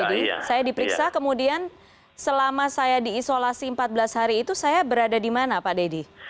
pak deddy saya diperiksa kemudian selama saya diisolasi empat belas hari itu saya berada di mana pak deddy